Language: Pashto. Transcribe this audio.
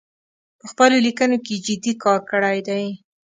په خپلو لیکنو کې جدي کار کړی دی